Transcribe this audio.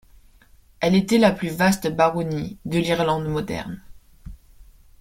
Elle était la plus vaste baronnie de l'Irlande moderne.